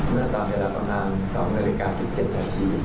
เมื่อตอนเวลาประมาณ๒นาฬิกา๑๗นาที